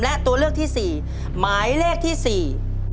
และตัวเลือกที่สี่หมายเลขที่สี่